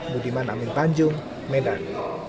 budiman amin tanjung medan